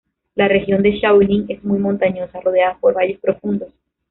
La región de Shaolin es muy montañosa, rodeada por valles profundos.